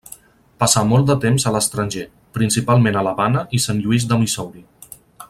Passà molt de temps a l'estranger principalment a l'Havana i Sant Lluís de Missouri.